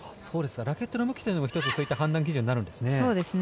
ラケットの向きというのが１つ、そういった判断基準になるんですね。